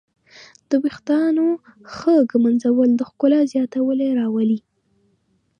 د ویښتانو ښه ږمنځول د ښکلا زیاتوالی راولي.